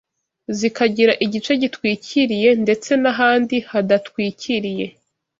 zikagira igice gitwikiriye ndetse n’ahandi hadatwikiriye